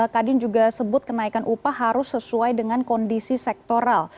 kadin juga sebut kenaikan upah harus sesuai dengan kondisi sektoral